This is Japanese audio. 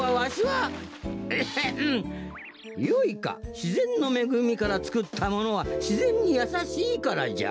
しぜんのめぐみからつくったものはしぜんにやさしいからじゃ。